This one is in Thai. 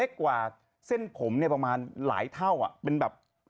เข้าไปสูปอด